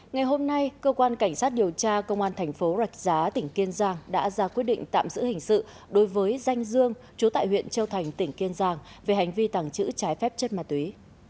ngày hôm nay cơ quan cảnh sát điều tra công an thành phố rạch giá tỉnh kiên giang đã ra quyết định tạm giữ hình sự đối với danh dương chú tại huyện châu thành tỉnh kiên giang về hành vi tàng trữ trái phép chất ma túy